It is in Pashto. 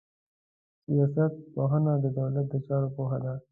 سياست پوهنه د دولت د چارو پوهه ده.